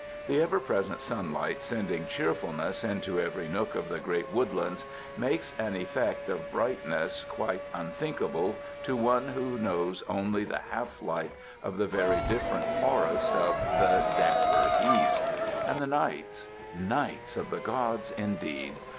The ever present sunlight sending cheerfulness into every nook of the great woodlands, makes an effect of brightness quite unthinkable to one who knows only the half light of the very different forest of the 53 UNDER THE SKY IN CALIFORNIA damper East. And the nights! nights of the gods, indeed.